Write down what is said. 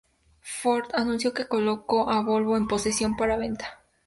Ford anunció que colocó a Volvo "en posesión para venta".